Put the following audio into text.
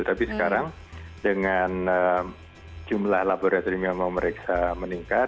tapi sekarang dengan jumlah laboratorium yang memeriksa meningkat